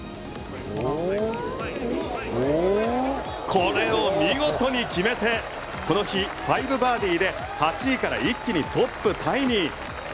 これを見事に決めてこの日５バーディで、８位から一気にトップタイに。